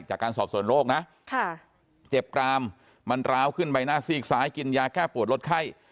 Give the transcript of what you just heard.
จากการสอบส่วนโรคนะเจ็บกรามมันร้าวขึ้นใบหน้าซีกซ้ายกินยาแก้ปวดลดไข้